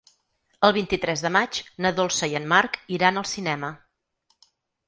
El vint-i-tres de maig na Dolça i en Marc iran al cinema.